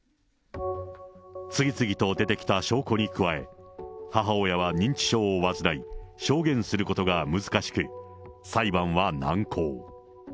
次々と出てきた証拠に加え、母親は認知症を患い、証言することが難しく、裁判は難航。